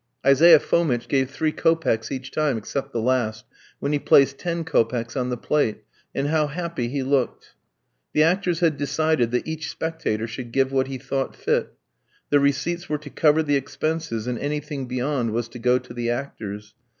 Isaiah Fomitch gave three kopecks each time, except the last, when he placed ten kopecks on the plate; and how happy he looked! The actors had decided that each spectator should give what he thought fit. The receipts were to cover the expenses, and anything beyond was to go to the actors.